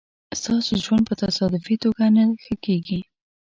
ستاسو ژوند په تصادفي توگه نه ښه کېږي